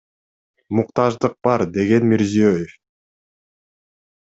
Муктаждык бар, — деген Мирзиёев.